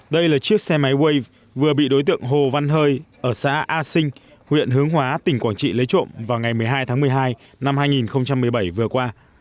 đây là chiếc xe máy way vừa bị đối tượng hồ văn hơi ở xã a sinh huyện hướng hóa tỉnh quảng trị lấy trộm vào ngày một mươi hai tháng một mươi hai năm hai nghìn một mươi bảy vừa qua